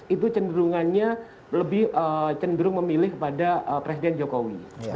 itu cenderungannya lebih cenderung memilih kepada presiden jokowi